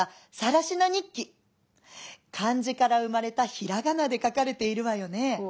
漢字から生まれた平仮名で書かれているわよね」。